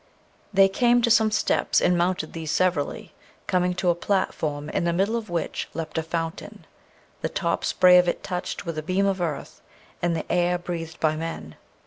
They came to some steps and mounted these severally, coming to a platform, in the middle of which leapt a fountain, the top spray of it touched with a beam of earth and the air breathed by men.